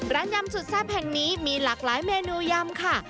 ยำสุดแซ่บแห่งนี้มีหลากหลายเมนูยำค่ะ